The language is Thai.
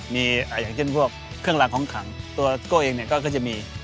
มีอย่างเช่นพวกเครื่องรางของขังตัวโก้เองเนี่ยก็จะมี